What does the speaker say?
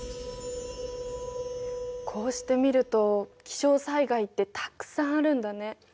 こうして見ると気象災害ってたくさんあるんだね。